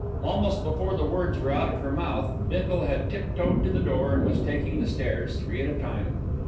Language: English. Almost before the words were out of her mouth, Bindle had tip toed to the door and was taking the stairs three at a time.